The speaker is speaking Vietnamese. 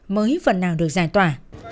mới phần nào được giải tỏa